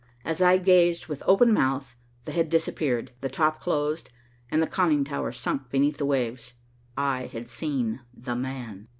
As I gazed with open mouth, the head disappeared, the top closed, and the conning tower sunk beneath the waves. I had seen "the man."